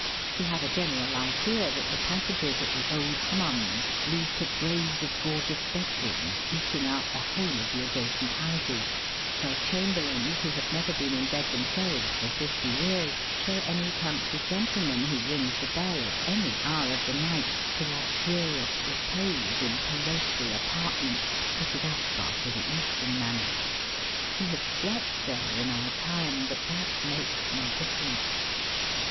We have a general idea that the passages at the Old Hummums lead to groves of gorgeous bed rooms, eating out the whole of the adja cent houses : where Chamberlains who have never been in bed themselves for fifty years, show any country gentleman who rings at the bell, at any hour of the night, to luxurious repose in palatial apartments fitted up after the Eastern manner. (We have slept there in our time, but that makes no difference.)